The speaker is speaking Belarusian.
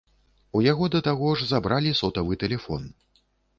У яго да таго ж забралі сотавы тэлефон.